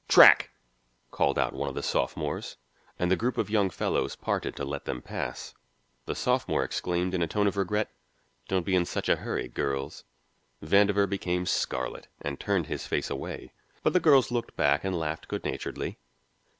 "Track!" called out one of the sophomores, and the group of young fellows parted to let them pass. The sophomore exclaimed in a tone of regret, "Don't be in such a hurry, girls." Vandover became scarlet and turned his face away, but the girls looked back and laughed good naturedly.